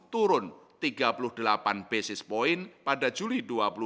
turun tiga puluh delapan basis point pada juli dua ribu dua puluh